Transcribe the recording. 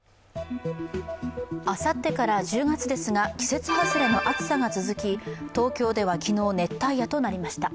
あさってから１０月ですが季節外れの暑さが続き東京では昨日、熱帯夜となりました。